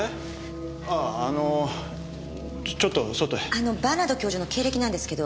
あのバーナード教授の経歴なんですけど。